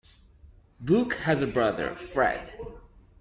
Booke has a brother, Fred.